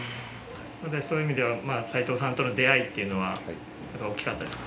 そういう意味では齊藤さんとの出会いっていうのは大きかったですか？